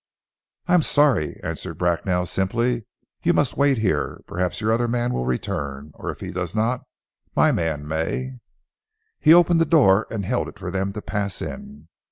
"I am sorry," answered Bracknell simply. "You must wait here. Perhaps your other man will return, or if he does not my man may." He opened the door and held it for them to pass in.